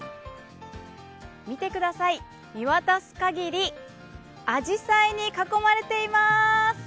見てください、見渡すかぎりあじさいに囲まれています。